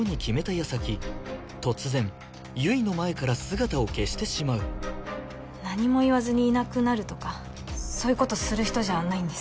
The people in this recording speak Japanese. やさき突然悠依の前から姿を消してしまう何も言わずにいなくなるとかそういうことする人じゃないんです